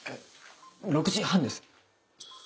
６時半です。